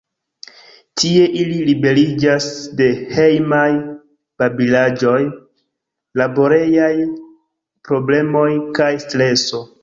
Tie ili liberiĝas de hejmaj babilaĵoj, laborejaj problemoj kaj streso.